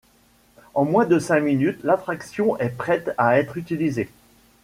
En moins de cinq minutes, l'attraction est prête à être utilisée.